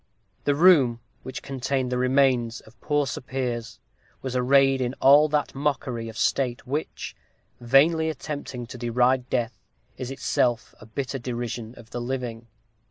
The room which contained the remains of poor Sir Piers was arrayed in all that mockery of state which, vainly attempting to deride death, is itself a bitter derision of the living.